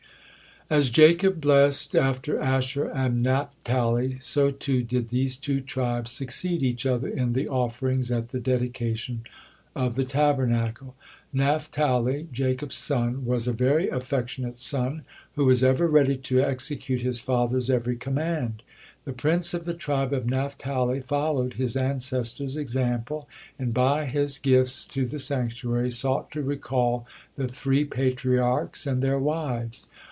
As Jacob blessed after Asher and the Naphtali, so too did these two tribes succeed each other in the offerings at the dedication of the Tabernacle. Naphtali, Jacob's son, was a very affectionate son, who was ever ready to execute his father's every command. The prince of the tribe of Naphtali followed his ancestor's example, and by his gifts to the sanctuary sought to recall the three Patriarchs and their wives.